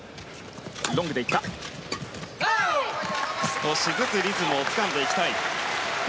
少しずつリズムをつかんでいきたい。